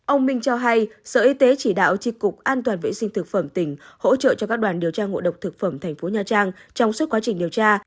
ông minh cho hay sở y tế chỉ đạo tri cục an toàn vệ sinh thực phẩm tỉnh hỗ trợ cho các đoàn điều tra ngộ độc thực phẩm tp nha trang trong suốt quá trình điều tra